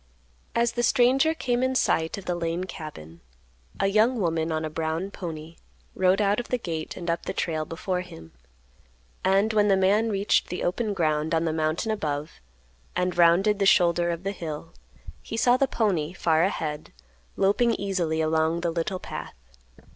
As the stranger came in sight of the Lane cabin, a young woman on a brown pony rode out of the gate and up the trail before him; and when the man reached the open ground on the mountain above, and rounded the shoulder of the hill, he saw the pony, far ahead, loping easily along the little path.